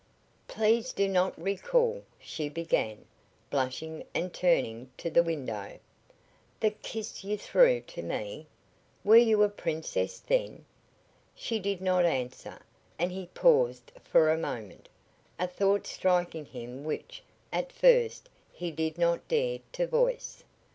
"Please do not recall " she began, blushing and turning to the window. "The kiss you threw to me? Were you a princess then?" She did not answer, and he paused for a moment, a thought striking him which at first he did not dare to voice.